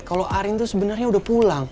kalo arin tuh sebenernya udah pulang